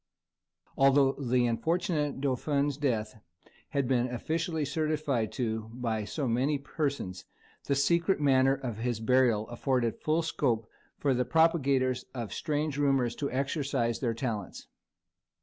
Although the unfortunate dauphin's death had been officially certified to by so many persons, the secret manner of his burial afforded full scope for the propagators of strange rumours to exercise their talents.